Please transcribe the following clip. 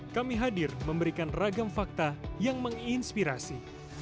kami hadir memberikan ragam fakta yang menginspirasi